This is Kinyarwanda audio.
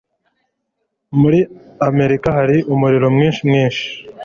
Muri Amerika hari umuriro mwinshi mwinshi